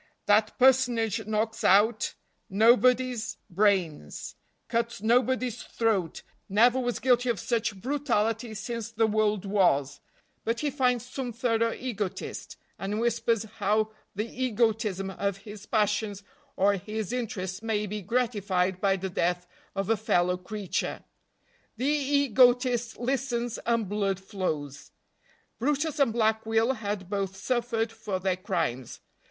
That personage knocks out nobody's brains, cuts nobody's throat, never was guilty of such brutality since the world was, but he finds some thorough egotist, and whispers how the egotism of his passions or his interest may be gratified by the death of a fellow creature. The egotist listens, and blood flows. brutus and Black Will had both suffered for their crimes.